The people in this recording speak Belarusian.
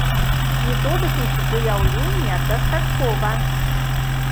Методык іх выяўлення дастаткова.